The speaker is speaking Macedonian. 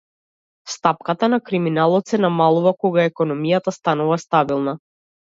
Стапката на криминал се намалува кога економијата станува стабилна.